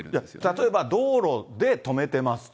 例えば、道路で止めてますと。